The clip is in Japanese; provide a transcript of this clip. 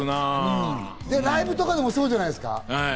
ライブとかでもそうじゃないですか？